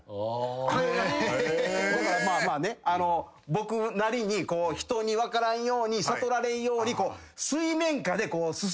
僕なりに人に分からんように悟られんように。